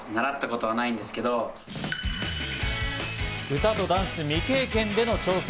歌とダンス未経験での挑戦。